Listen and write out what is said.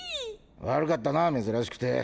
悪かったな珍しくて！